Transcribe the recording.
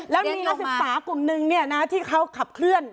แล้วมีนักศึกษากลุ่มนึงที่เขาขับเคลื่อน